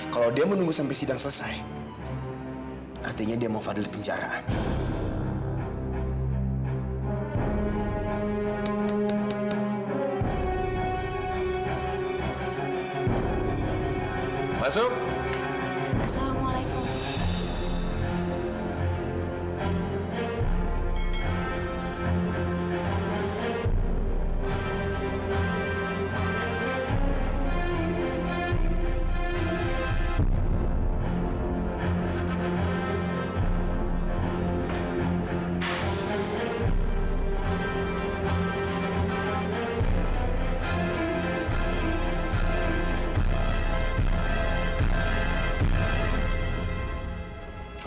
kalau dia mau nunggu sampai sidang selesai artinya dia mau fadl di penjara